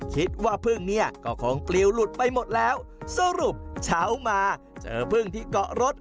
คิดว่าพึ่งเนี่ยก็คงปลิวหลุดไปหมดแล้วสรุปเช้ามาเจอพึ่งที่เกาะรถ